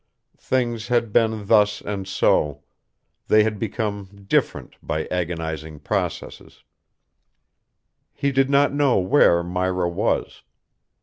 Things had been thus and so; they had become different by agonizing processes. He did not know where Myra was.